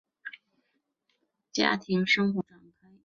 故事就是发生于肖恩的上班以及家庭生活展开。